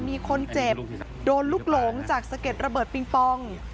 มีคนเจ็บโดนลุกหลงจากสะเก็ดระเบิดปิงปอง